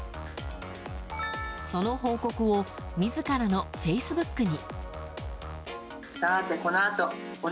その報告を自らのフェイスブックに。